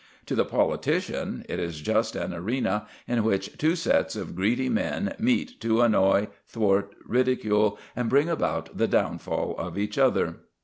To the politician it is just an arena in which two sets of greedy men meet to annoy, thwart, ridicule, and bring about the downfall of each other.